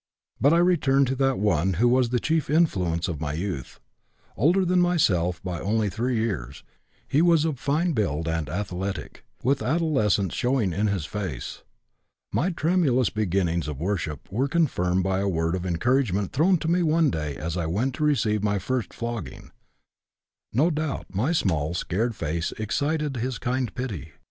But I return to that one who was the chief influence of my youth: older than myself by only three years, he was of fine build and athletic, with adolescence showing in his face; my tremulous beginnings of worship were confirmed by a word of encouragement thrown to me one day as I went to receive my first flogging; no doubt my small, scared face excited his kind pity.